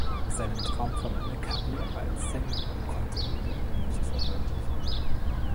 Seinen Traum von einer Karriere als Sänger konnte er jedoch nicht verwirklichen.